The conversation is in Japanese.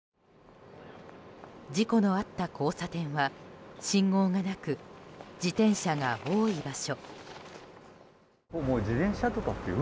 事故のあった交差点は信号がなく自転車が多い場所。